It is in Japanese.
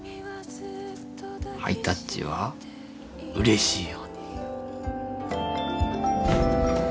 ハイタッチはうれしいよ。